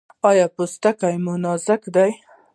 ایا پوستکی مو نازک دی؟